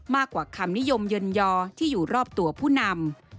กว่าคำนิยมยนยอที่อยู่รอบตัวผู้นำ